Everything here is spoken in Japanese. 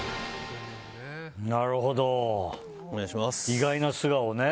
なるほど、意外な素顔ね。